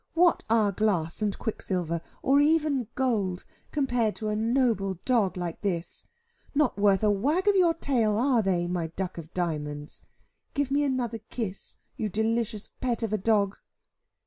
What are glass and quicksilver, or even gold, compared to a noble dog like this? Not worth a wag of your tail, are they, my duck of diamonds? Give me another kiss, you delicious pet of a dog."